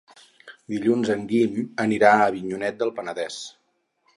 Dilluns en Guim anirà a Avinyonet del Penedès.